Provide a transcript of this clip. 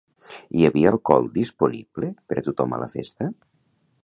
Hi havia alcohol disponible per a tothom a la festa?